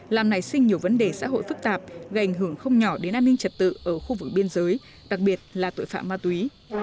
làm nảy sinh nhiều vấn đề xã hội phức tạp gây ảnh hưởng không nhỏ đến an ninh trật tự ở khu vực biên giới đặc biệt là tội phạm ma túy